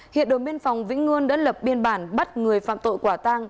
hiện đồn biên phòng vĩnh ngươn đã lập biên bản bắt người phạm tội quả tang